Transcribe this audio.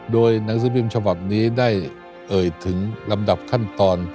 โดยหนังสือพิมพ์ฉบับนี้ได้เอ่ยถึงลำดับขั้นตอน